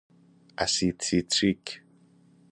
اسید سیتریک